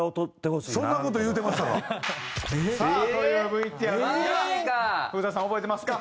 さあというＶＴＲですが古田さん覚えてますか？